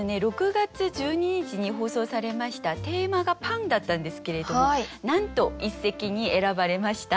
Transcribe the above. ６月１２日に放送されましたテーマが「パン」だったんですけれどもなんと一席に選ばれました。